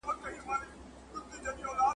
زه هره ورځ ښوونځی ځم